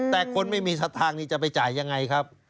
แต่คนไม่มีสัทธานี้จะไปจ่ายยังไงครับ